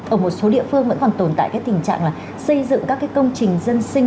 ở một số địa phương vẫn còn tồn tại cái tình trạng là xây dựng các công trình dân sinh